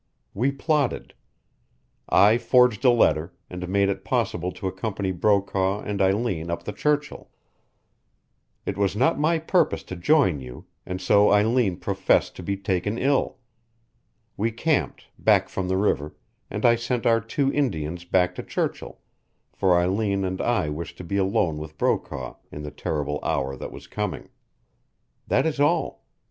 We plotted. I forged a letter, and made it possible to accompany Brokaw and Eileen up the Churchill. It was not my purpose to join you, and so Eileen professed to be taken ill. We camped, back from the river, and I sent our two Indians back to Churchill, for Eileen and I wished to be alone with Brokaw in the terrible hour that was coming. That is all.